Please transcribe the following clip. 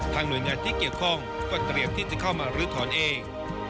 หน่วยงานที่เกี่ยวข้องก็เตรียมที่จะเข้ามาลื้อถอนเอง